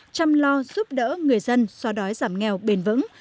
chăm lo giúp đỡ người dân xóa đói giảm nghèo bền vững